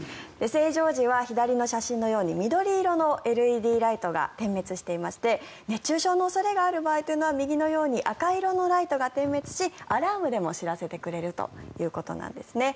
正常時は左の写真のように緑色のＬＥＤライトが点滅していまして熱中症の恐れがある場合は右のように赤色のライトが点滅しアラートでも知らせてくれるということです。